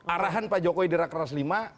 arahan pak jokowi di rakernas lima